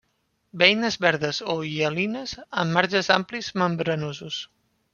Beines verdes o hialines, amb marges amplis membranosos.